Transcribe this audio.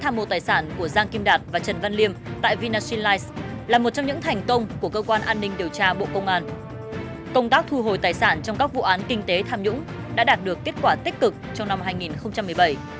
công tác thu hồi tài sản trong các vụ án kinh tế tham nhũng đã đạt được kết quả tích cực trong năm hai nghìn một mươi bảy